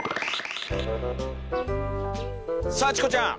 さあチコちゃん！